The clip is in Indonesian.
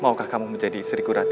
maukah kamu menjadi istriku rati